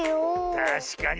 たしかに。